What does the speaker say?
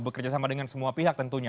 bekerja sama dengan semua pihak tentunya